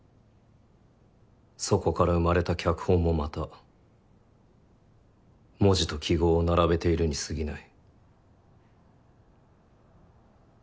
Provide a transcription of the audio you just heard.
そこから生まれた脚本もまた文字と記号を並べているにすぎない。